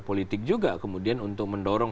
politik juga kemudian untuk mendorong